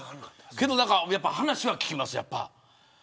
けど話は聞きます、やっぱ。